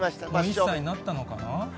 １歳になったのかな。